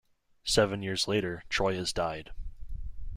Seven years later, Troy has died.